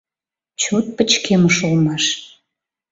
Чот пычкемыш улмаш.